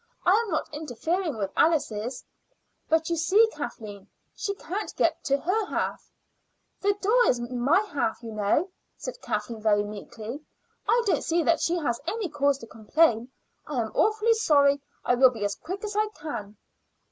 I am not interfering with Alice's." "But you see, Kathleen, she can't get to her half." "The door is in my half, you know," said Kathleen very meekly, "so I don't see that she has any cause to complain. I am awfully sorry; I will be as quick as I can."